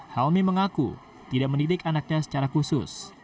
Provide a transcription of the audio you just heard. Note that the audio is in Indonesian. helmi mengaku tidak mendidik anaknya secara khusus